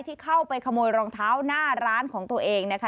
ที่เข้าไปขโมยรองเท้าหน้าร้านของตัวเองนะคะ